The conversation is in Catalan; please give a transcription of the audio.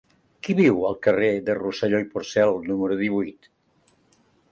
Qui viu al carrer de Rosselló i Porcel número divuit?